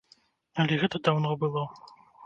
Але гэта даўно было.